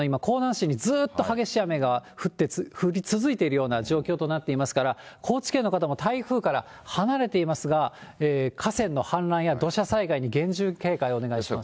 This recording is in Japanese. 市にずーっと激しい雨が降り続いているような状況となっていますから、高知県の方も台風から離れていますが、河川の氾濫や土砂災害に厳重警戒をお願いします。